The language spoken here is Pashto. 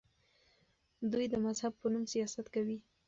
دوی د مذهب په نوم سیاست کوي.